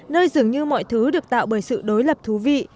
nơi dường như mọi thứ được tạo bởi sự đối lập thú vị